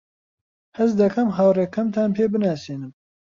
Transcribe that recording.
حەز دەکەم هاوڕێکەمتان پێ بناسێنم.